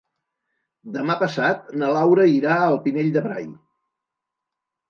Demà passat na Laura irà al Pinell de Brai.